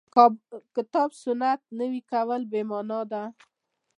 کتاب سنت نوي کول بې معنا ده.